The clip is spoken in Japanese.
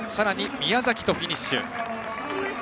宮崎とフィニッシュ。